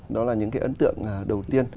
đó là những cái ấn tượng đầu tiên